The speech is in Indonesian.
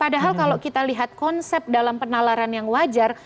padahal kalau kita lihat konsep dalam penalaran yang wajar